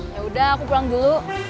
yaudah aku pulang dulu